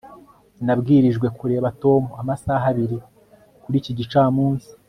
nabwirijwe kureba tom amasaha abiri kuri iki gicamunsi